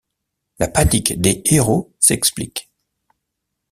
La panique des héros s’explique.